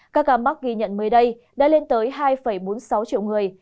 các ca mắc ghi nhận mới đây đã lên tới hai bốn mươi sáu triệu người